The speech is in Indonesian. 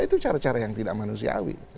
itu cara cara yang tidak manusiawi